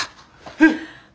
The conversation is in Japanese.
えっ！？